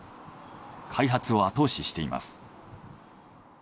開発を後押ししています。